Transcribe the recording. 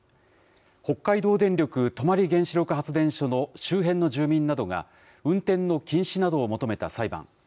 北海道電力泊原子力発電所の周辺の住民などが運転の禁止などを求めた裁判。